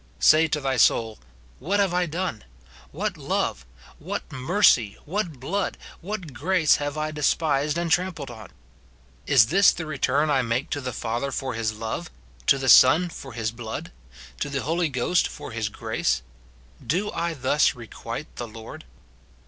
Say to thy soul, " What have I done ? What love, what mercy, what blood, what grace have I despised and trampled on ! Is this the return I make to the Father for his love^ to the Son for his blood, to the Holy Ghost for his grace P Do I thus requite the Lord